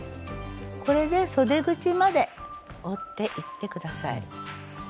これでそで口まで折っていって下さい。